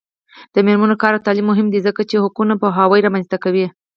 د میرمنو کار او تعلیم مهم دی ځکه چې حقونو پوهاوی رامنځته کوي.